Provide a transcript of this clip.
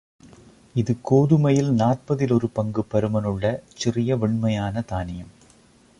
இது கோதுமையில் நாற்பதில் ஒரு பங்கு பருமனுள்ள, சிறிய வெண்மையான தானியம்.